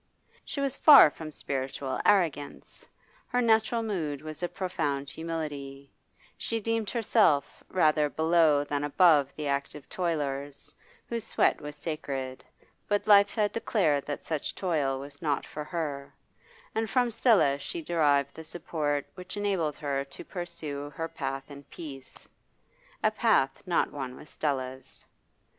She was far from spiritual arrogance; her natural mood was a profound humility; she deemed herself rather below than above the active toilers, whose sweat was sacred; but life had declared that such toil was not for her, and from Stella she derived the support which enabled her to pursue her path in peace a path not one with Stella's.